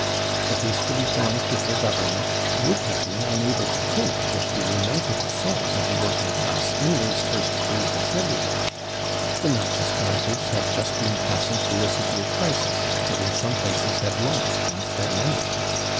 The hastily formed Hitler Government would have been unable to cope with the united assault of the working class in those first days of February. The Nazi storm troops had just been passing through a severe crisis, and in some places had lost half their membership.